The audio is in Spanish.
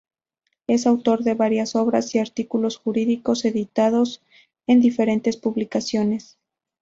Es autor de varias obras y artículos jurídicos editados en diferentes publicaciones.